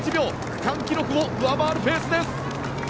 区間記録を上回るペースです。